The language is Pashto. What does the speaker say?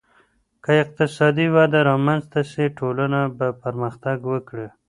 که اقتصادي وده رامنځته سي ټولنه به پرمختګ وکړي.